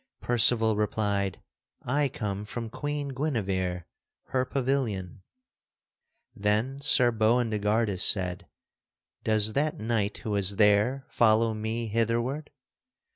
Percival replied, "I come from Queen Guinevere, her pavilion." Then Sir Boindegardus said, "Does that knight who was there follow me hitherward?"